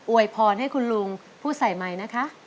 วยพรให้คุณลุงพูดใส่ไมค์นะคะ